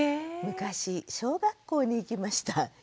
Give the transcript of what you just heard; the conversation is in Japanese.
「昔小学校に行きました。